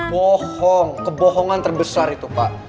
bohong kebohongan terbesar itu pak